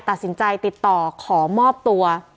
ตัดสินใจติดต่อขอมอบตัว